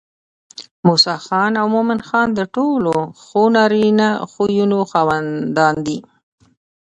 موسى خان او مومن خان د ټولو ښو نارينه خويونو خاوندان دي